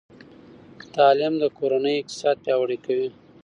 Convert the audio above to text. تعلیم د کورنۍ اقتصاد پیاوړی کوي.